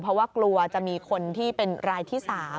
เพราะว่ากลัวจะมีคนที่เป็นรายที่๓